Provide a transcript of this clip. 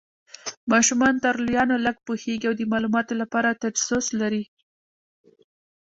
ماشومان تر لویانو لږ پوهیږي او د مالوماتو لپاره تجسس لري.